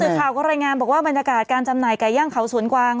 ข่าวก็รายงานบอกว่าบรรยากาศการจำหน่ายไก่ย่างเขาสวนกวาง